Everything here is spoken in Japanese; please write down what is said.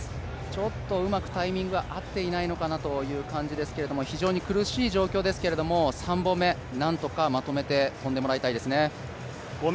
ちょっとうまくタイミングが合っていないのかなという状況ですけれども、非常に苦しい状況ですけれども３本目、何とかまとめて跳んでもらいたいですね。